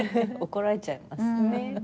怒られちゃいます。